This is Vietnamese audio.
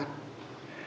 là kho báu của ca